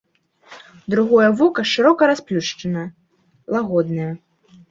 Другое вока шырока расплюшчана, лагоднае.